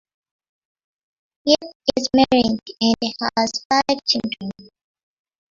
Yip is married and has five children.